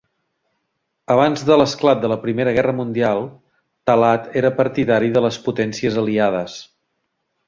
Abans de l'esclat de la Primera Guerra Mundial, Talat era partidari de les potències aliades.